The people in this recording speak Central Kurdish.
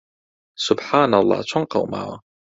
سوبحانەڵڵا چۆن قەوماوە!